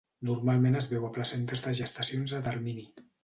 Normalment es veu a placentes de gestacions a termini.